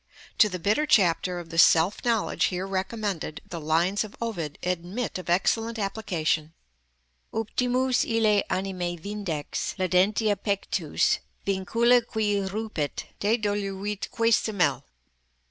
To the bitter chapter of the self knowledge here recommended the lines of Ovid admit of excellent application— "Optimus ille animi vindex lædentia pectus, _Vincula qui rupit, dedoluitque semel.